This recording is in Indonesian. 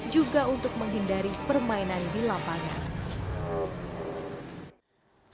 juga untuk menghindari permainan di lapangan